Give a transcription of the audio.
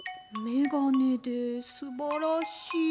めがねですばらしい。